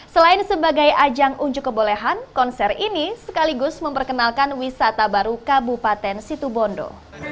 selain sebagai ajang unjuk kebolehan konser ini sekaligus memperkenalkan wisata baru kabupaten situbondo